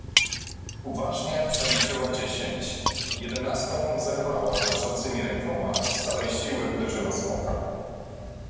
"Uważnie przeliczyła dziesięć, jedenastą zerwała drżącymi rękoma i z całej siły uderzyła smoka."